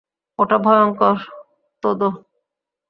ওটা ভয়ংকর, তোদো!